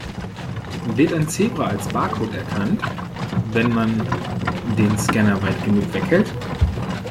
Wird ein Zebra als Barcode erkannt, wenn man den Scanner weit genug weghält?